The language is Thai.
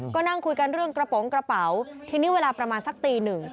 ก็นั่งคุยกันเรื่องกระโปรงกระเป๋าทีนี้เวลาประมาณสักตีหนึ่ง